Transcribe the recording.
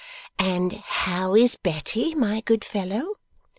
'And how is Betty, my good fellow?